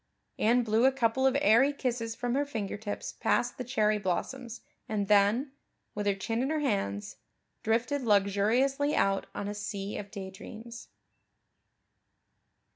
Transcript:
Anne blew a couple of airy kisses from her fingertips past the cherry blossoms and then, with her chin in her hands, drifted luxuriously out on a sea of daydreams.